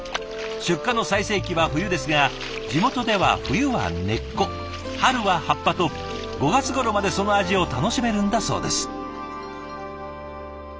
出荷の最盛期は冬ですが地元では冬は根っこ春は葉っぱと５月ごろまでその味を楽しめるんだそうです。